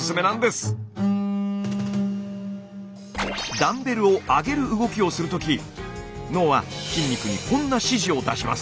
ダンベルを上げる動きをするとき脳は筋肉にこんな指示を出します。